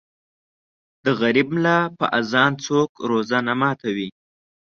د غریب ملا په اذان څوک روژه نه ماتوي.